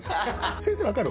先生分かる？